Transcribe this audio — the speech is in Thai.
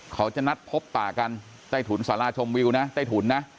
เขาจะนัดพบป่ากันใต้ถุนสาราชมวิวนะใต้ถุนนะ